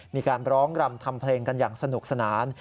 มีการร้องรำทำเพลงกันอย่างสนุกสนาน